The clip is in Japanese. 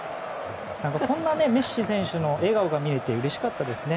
こんなメッシ選手の笑顔が見れてうれしかったですね。